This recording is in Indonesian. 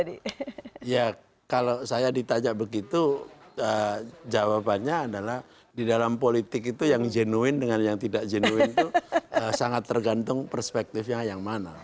ya kalau saya ditanya begitu jawabannya adalah di dalam politik itu yang jenuin dengan yang tidak jenuin itu sangat tergantung perspektifnya yang mana